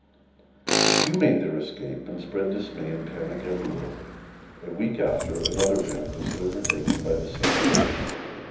A few made their escape, and spread dismay and panic everywhere. A week after, another band was overtaken by the same fate.